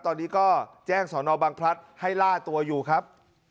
ตอนนี้ก็แจ้งสอนอบังพลัดให้ล่าตัวอยู่ครับ